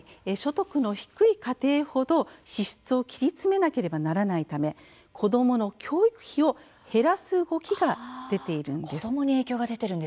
所得の低い家庭ほど支出を切り詰めなければならないため、子どもの教育費を減らす動きが出ているんです。